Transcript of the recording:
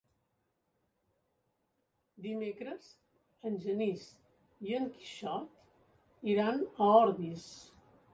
Dimecres en Genís i en Quixot iran a Ordis.